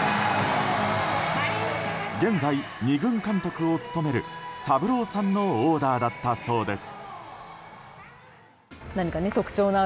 現在、２軍監督を務めるサブローさんのオーダーだったそうです。